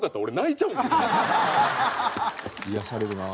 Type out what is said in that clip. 癒やされるなあ。